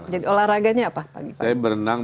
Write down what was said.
jadi olahraganya apa saya berenang